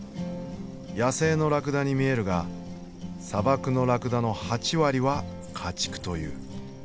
野生のラクダに見えるが砂漠のラクダの８割は家畜という。